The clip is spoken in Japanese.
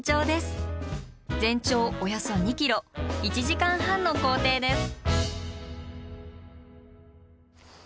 全長およそ２ｋｍ１時間半の行程です。